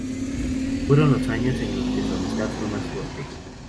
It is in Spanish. Fueron los años en los que su amistad fue más fuerte.